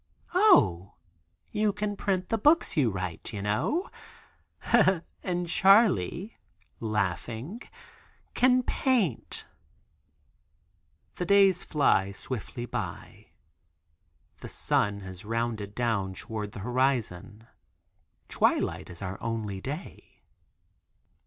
"O, you can print the books you write, you know. And Charley," laughing, "can paint." The days fly swiftly by. The sun has rounded down toward the horizon. Twilight is our only day.